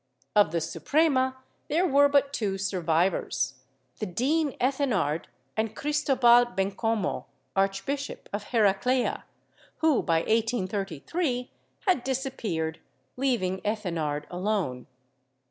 Of the Suprema there were but two survivors, the Dean Ethenard and Cristobal Bencomo, Archbishop of Heraclea, who by 1833 had disappeared, leaving Ethenard alone.